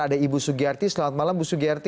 ada ibu sugiyarti selamat malam ibu sugiyarti